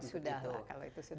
sudah lah kalau itu sudah